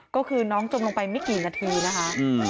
ก็คือน้องจมลงไปไม่กี่นาทีนะคะ